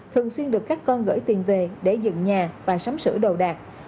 thường xuyên được các con gửi tiền về để dựng nhà và sắm sửa đồ đạc